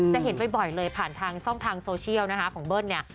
จะเห็นบ่อยเลยผ่านทางช่องทางโซเชียลนะคะของเบิ้ลเนี่ย